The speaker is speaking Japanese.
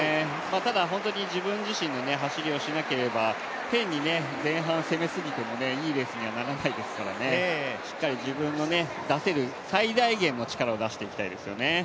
ただホントに自分自身の走りをしなければ、変に前半、力みだしてもいいレースにはならないですからね、しっかり自分の出せる最大限の力を出していきたいですよね。